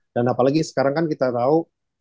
dan apalagi sekarang kan kita tahu